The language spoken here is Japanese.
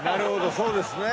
そうですね。